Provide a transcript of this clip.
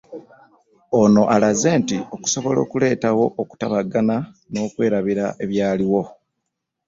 Ono alaze nti okusobola okuleetawo okutabagana n'okwerabira ebyaliwo